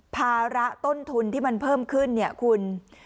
ภาระต้นทุนที่มันเพิ่มขึ้นเนี่ยคุณ